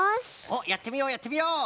おっやってみようやってみよう。